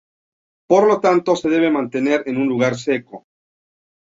Por lo tanto, se debe mantener en un lugar seco.